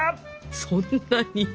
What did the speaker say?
そんなに？